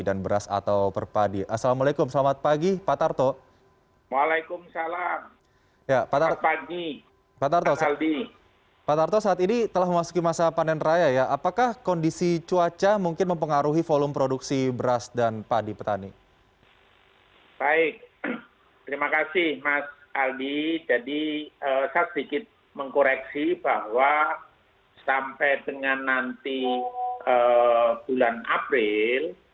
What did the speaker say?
jadi saya sedikit mengkoreksi bahwa sampai dengan nanti bulan april